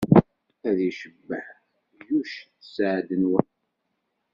Ad icebbeḥ Yuc sseɛd-nwen.